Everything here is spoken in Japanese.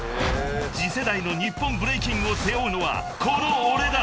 ［次世代の日本ブレイキンを背負うのはこの俺だ！］